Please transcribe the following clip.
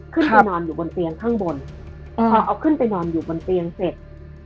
ขึ้นไปนอนอยู่บนเตียงข้างบนพอเอาขึ้นไปนอนอยู่บนเตียงเสร็จ